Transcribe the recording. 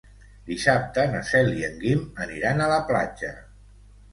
Dissabte na Cel i en Guim aniran a la platja.